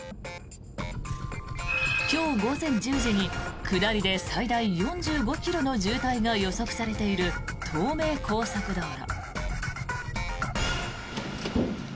今日午前１０時に下りで最大４５ｋｍの渋滞が予測されている東名高速道路。